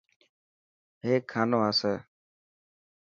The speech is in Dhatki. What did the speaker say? هيڪ کانو آسي.